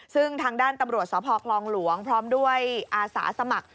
ซึ่งทางด้านตำรวจสพคลองหลวงพร้อมด้วยอาสาสมัคร